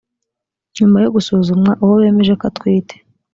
nyuma yo gusuzumwa uwo bemeje ko atwite